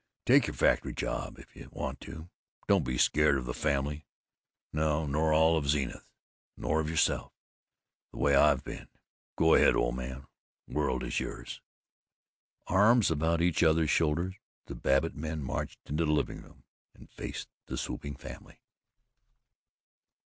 Take your factory job, if you want to. Don't be scared of the family. No, nor all of Zenith. Nor of yourself, the way I've been. Go ahead, old man! The world is yours!" Arms about each other's shoulders, the Babbitt men marched into the living room and faced the swooping family.